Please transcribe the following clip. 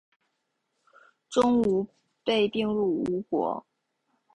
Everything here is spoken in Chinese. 钟吾被并入吴国。